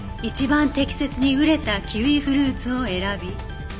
一番適切に熟れたキウイフルーツを選び。